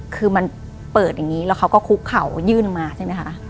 คือมันเปิดอย่างนี้แล้วเขาก็คุกเข่ายื่นมาใช่ไหมคะ